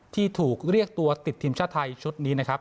ที่ถูกเรียกตัวติดทีมชาติไทยชุดนี้นะครับ